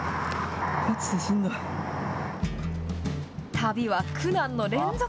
旅は苦難の連続。